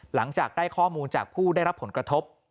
หลังจากได้ข้อมูลจากผู้ได้รับผลกระทบ